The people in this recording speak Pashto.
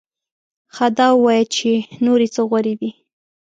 ښه دا ووایه چې نورې څه غورې دې؟